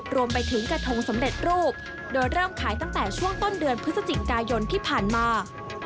รวมไปถึงกระทงสำเร็จรูปโดยเริ่มขายตั้งแต่ช่วงต้นเดือนพฤศจิกายนที่ผ่านมา